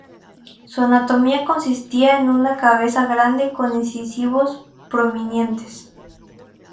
Su anatomía consistía en una cabeza grande con incisivos prominentes.